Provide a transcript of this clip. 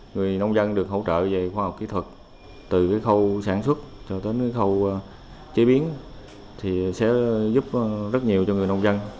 người nông dân được hỗ trợ về khoa học kỹ thuật từ cái khâu sản xuất cho đến cái khâu chế biến thì sẽ giúp rất nhiều cho người nông dân